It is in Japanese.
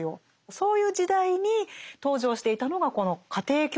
そういう時代に登場していたのがこの家庭教師という職業なんですよね。